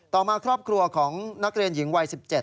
ต่อมาครอบครัวของนักเรียนหญิงวัย๑๗